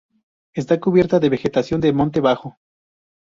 Está cubierta de vegetación de monte bajo.